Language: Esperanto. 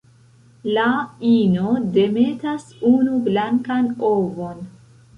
La ino demetas unu blankan ovon.